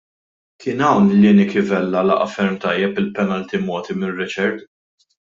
Kien hawn li Nicky Vella laqa' ferm tajjeb il-penalti mogħti minn Richard.